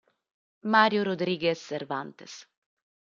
Mario Rodríguez Cervantes